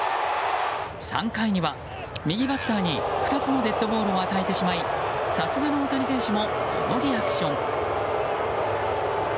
３回には右バッターに２つのデッドボールを与えてしまいさすがの大谷選手もこのリアクション。